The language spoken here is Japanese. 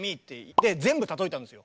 で全部例えたんですよ。